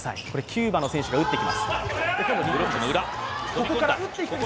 キューバの選手が打ってきます。